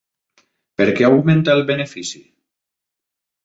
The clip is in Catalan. Per què augmenta el benefici?